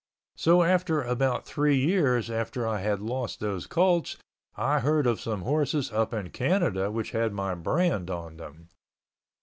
So, after about three years after I had lost those colts I heard of some horses up in Canada which had my brand on them.